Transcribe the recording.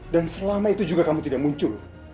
dan selama itu juga kamu tidak muncul